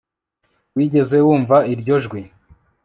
wigeze wumva iryo jwi